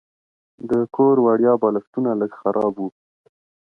د کور وړیا بالښتونه لږ خراب وو.